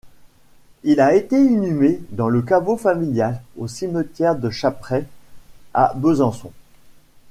Il a été inhumé dans le caveau familial, au cimetière des Chaprais à Besançon.